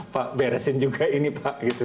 pak beresin juga ini pak gitu